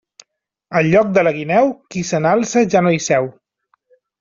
Al lloc de la guineu, qui se n'alça ja no hi seu.